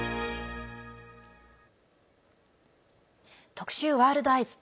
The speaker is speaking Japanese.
特集「ワールドＥＹＥＳ」。